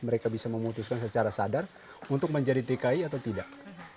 mereka bisa memutuskan secara sadar untuk menjadi tki atau tidak